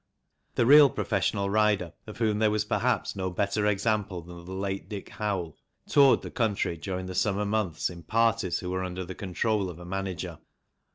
The real professional rider, of whom there was, perhaps, no better example than the late Dick Howell, toured the country during the summer months in parties who were under the control of a manager.